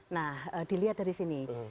nah dilihat dari sini